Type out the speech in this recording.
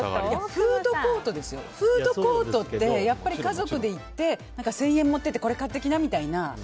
フードコートって家族で行って１０００円持って行ってこれ買ってきな、みたいな。